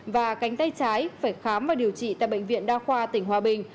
và cánh tay trái phải khám và điều trị tại bệnh viện đa khoa tỉnh hòa bình